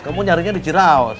kamu nyarinya di ciraos